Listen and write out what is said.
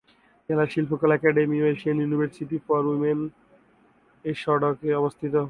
জেলা শিল্পকলা একাডেমি ও এশিয়ান ইউনিভার্সিটি ফর উইমেন এ সড়কে অবস্থিত।